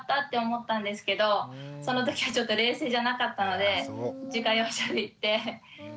思ったんですけどその時はちょっと冷静じゃなかったので自家用車で行って。